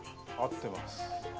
合ってます。